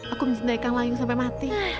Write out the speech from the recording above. aku mencendaikan layu sampai mati